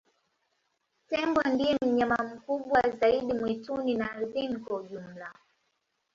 tembo ndiye mnyama mkubwa zaidi mwituni na ardini kwa ujumla